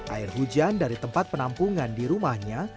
air hujan dari tempat penampungan di rumahnya